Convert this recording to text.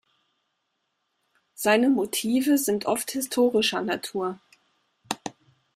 Seine Motive sind oft historischer Natur.